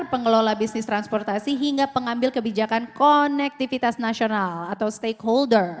pengelola bisnis transportasi hingga pengambil kebijakan konektivitas nasional atau stakeholder